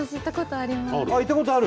あっ行ったことある？